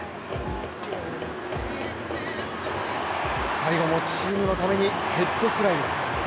最後もチームのためにヘッドスライディング。